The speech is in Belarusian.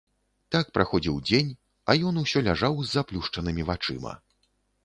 Так праходзіў дзень, а ён усё ляжаў з заплюшчанымі вачыма.